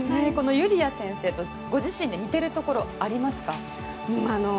ゆりあ先生とご自身で似てるところありますか。